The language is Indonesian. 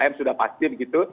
tiga m sudah pasti begitu